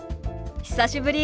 久しぶり。